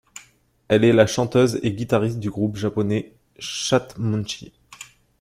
Elle est la chanteuse et guitariste du groupe japonais chatmonchy.